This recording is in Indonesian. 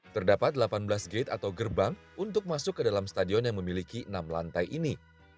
terdapat delapan belas gate atau gerbang untuk masuk ke dalam stadion yang memiliki enam lantai ini